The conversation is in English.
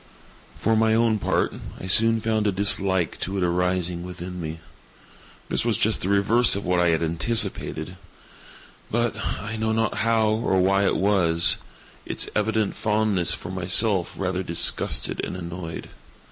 For my own part, I soon found a dislike to it arising within me. This was just the reverse of what I had anticipated; but—I know not how or why it was—its evident fondness for myself rather disgusted and annoyed.